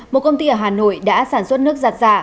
một công ty ở hà nội đã sản xuất nước giặt giả